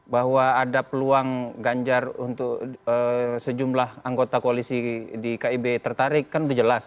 bahwa ada peluang ganjar untuk sejumlah anggota koalisi di kib tertarik kan udah jelas